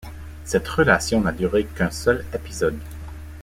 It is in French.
Cette relation n'a duré qu'un seul épisode.